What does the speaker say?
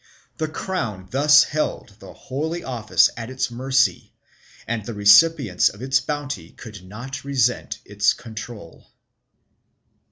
1 The crown thus held the Holy Office at its mercy and the recipients of its bounty could not resent its control.